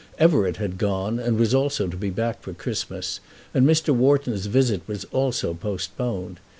Everett had gone, but was also to be back for Christmas, and Mr. Wharton's visit was also postponed.